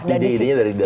ide idenya dari cemplon